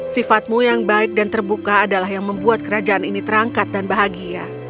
sifatmu yang baik dan terbuka adalah yang membuat kerajaan ini terangkat dan bahagia